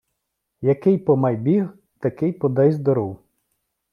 Який «помайбіг», такий «подайздоров».